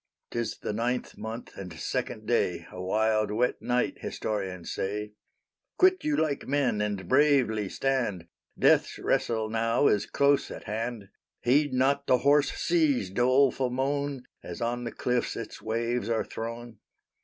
'Tis the ninth month and second day, A wild, wet night, historians say. Quit you like men, and bravely stand; Death's wrestle now is close at hand; Heed not the hoarse sea's doleful moan, As on the cliffs its waves are thrown.